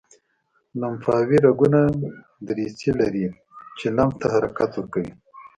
لمفاوي رګونه دریڅې لري چې لمف ته حرکت ورکوي.